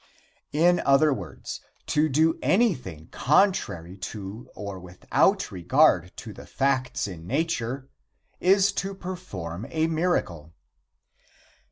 In other words, to do anything contrary to or without regard to the facts in nature is to perform a miracle.